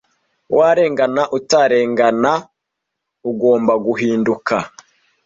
warengana utarengana ugomba guhinduka